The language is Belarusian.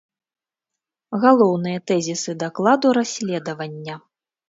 Галоўныя тэзісы дакладу расследавання.